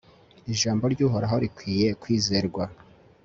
ijambo ry'uhoraho rikwiye kwizerwa